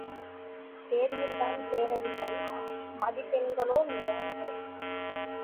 தேர்வில்தான் தேறவில்லை, மதிப்பெண்களோ மிகவும் குறைவு.